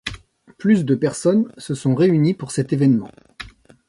Plus de personnes se sont réunies pour cet événement.